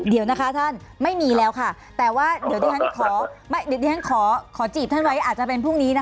เดี๋ยวนะคะท่านไม่มีแล้วค่ะแต่ว่าเดี๋ยวที่ท่านขอขอจีบท่านไว้อาจจะเป็นพรุ่งนี้นะคะ